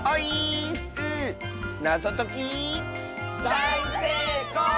だいせいこう！